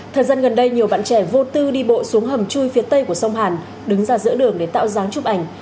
thời gian gần đây nhiều bạn trẻ vô tư đi bộ xuống hầm chui phía tây của sông hàn đứng ra giữa đường để tạo dáng chụp ảnh